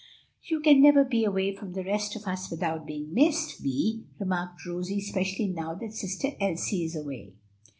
"You can never be away from the rest of us without being missed, Vi," remarked Rosie; "especially now that Sister Elsie is away."